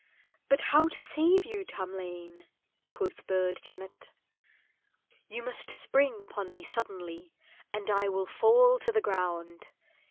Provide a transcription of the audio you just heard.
"But how to save you, Tamlane?" quoth Burd Janet. "You must spring upon me suddenly, and I will fall to the ground.